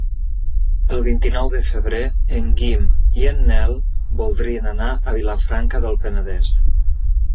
El vint-i-nou de febrer en Guim i en Nel voldrien anar a Vilafranca del Penedès.